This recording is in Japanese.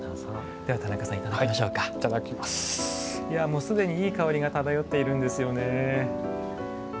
いやもう既にいい香りが漂っているんですよね。